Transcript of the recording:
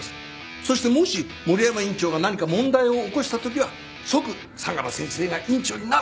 そしてもし森山院長が何か問題を起こした時は即相良先生が院長になる。